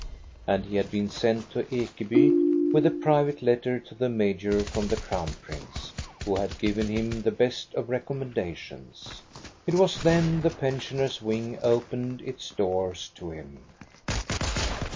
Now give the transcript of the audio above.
And he had been sent to Ekeby with a pri vate letter to the major from the Crown Prince, who had given him the best of recommendations. It was then the pensioners' wing opened its doors to him.